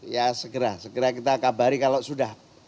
ya segera segera kita kabari kalau sudah